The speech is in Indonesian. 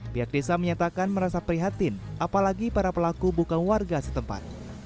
pihak desa menyatakan merasa prihatin apalagi para pelaku bukan warga setempat